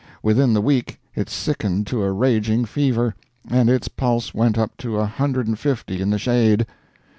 Within the week it sickened to a raging fever, and its pulse went up to a hundred and fifty in the shade.